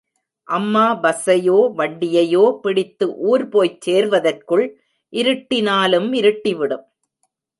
அம்மா பஸ்ஸையோ வண்டியையோ பிடித்து ஊர் போய்ச் சேர்வதற்குள் இருட்டினாலும் இருட்டிவிடும்.